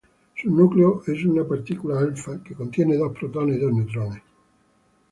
Su núcleo es una partícula alfa, que contiene dos protones y dos neutrones.